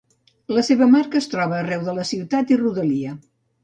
La seva marca es troba arreu de la ciutat i rodalia.